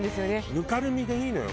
ぬかるみでいいのよ